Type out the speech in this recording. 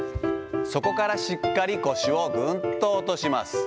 そこからしっかり腰をぐんと落とします。